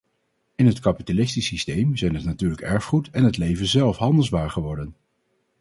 In het kapitalistische systeem zijn het natuurlijke erfgoed en het leven zelf handelswaar geworden.